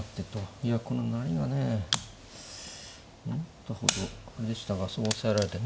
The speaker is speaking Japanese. いやこの成りがね思ったほどでしたがそこ押さえられてね。